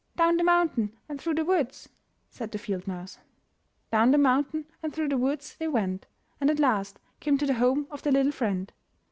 Down the mountain and through the woods," said the field mouse. Down the mountain and through the woods they went, and at last came to the home of their little friend.